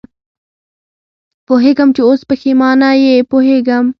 پوهېږم چې اوس پېښېمانه یې، پوهېږم.